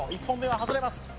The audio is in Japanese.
１本目は外れます。